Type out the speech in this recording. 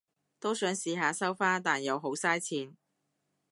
都想試下收花，但又好晒錢